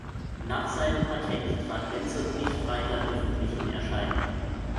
Nach seinem Patent trat Benson nicht weiter öffentlich in Erscheinung.